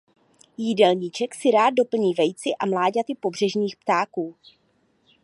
Jídelníček si rád doplní vejci a mláďaty pobřežních ptáků.